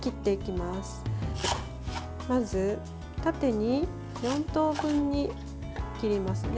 まず、縦に４等分に切りますね。